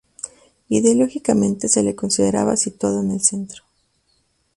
Ideológicamente se le consideraba situado en el centro.